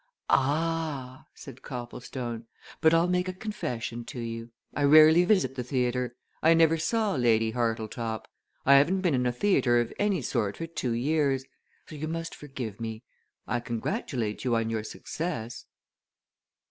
"Ah!" said Copplestone. "But I'll make a confession to you. I rarely visit the theatre. I never saw Lady Hartletop. I haven't been in a theatre of any sort for two years. So you must forgive me. I congratulate you on your success."